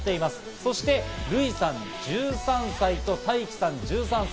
そしてルイさん１３歳とタイキさん１３歳。